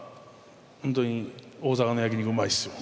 ほんとに大阪の焼き肉うまいっすよ。